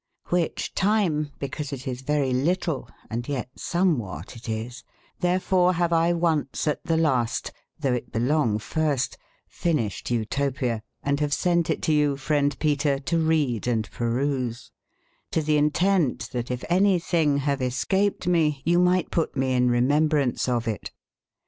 RICRB tyme, because It is very litle, and yet somwbat it is, tberfore bavelonesat tbe laste, tbougbeitbelongefirst, finisbedCltopia, and bave sent it to you, frende peter, to reade and peruse: to tbe intente tbat yf anye tbynge bave escaped me, you 4 might put mc in rcmcmbraunccof it.